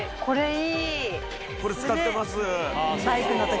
これ使ってます。